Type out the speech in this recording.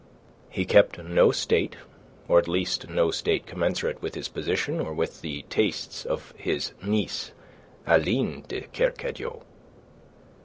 He kept no state, or at least no state commensurate with his position or with the tastes of his niece Aline de Kercadiou.